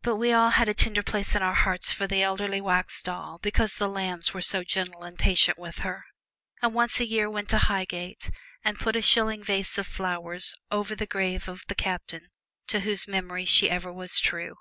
But we all have a tender place in our hearts for the elderly wax doll because the Lambs were so gentle and patient with her, and once a year went to Highgate and put a shilling vase of flowers over the grave of the Captain to whose memory she was ever true.